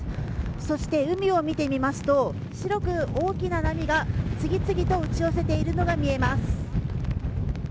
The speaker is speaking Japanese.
そして海を見てみますと白く大きな波が次々と打ち寄せているのが見えます。